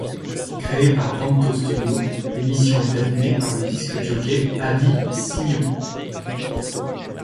Créée par VentoStudio, l'émission est animée par le disc jockey Adi Simion.